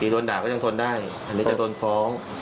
โดนด่าก็ยังทนได้อันนี้จะโดนฟ้อง